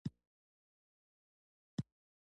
ازادي راډیو د د کار بازار په اړه د بریاوو مثالونه ورکړي.